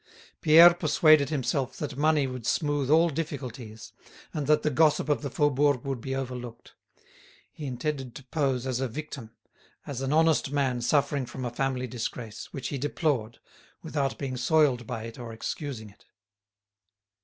Pierre persuaded himself that money would smooth all difficulties, and that the gossip of the Faubourg would be overlooked; he intended to pose as a victim, as an honest man suffering from a family disgrace, which he deplored, without being soiled by it or excusing it.